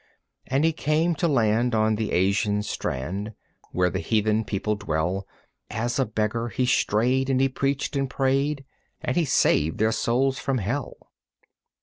And he came to land on the Asian strand Where the heathen people dwell; As a beggar he strayed and he preached and prayed And he saved their souls from hell.